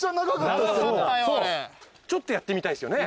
ちょっとやってみたいですよね。